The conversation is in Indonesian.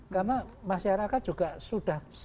karena masyarakat juga sudah sangat keras